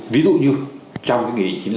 ví dụ như trong cái nghị định chín mươi năm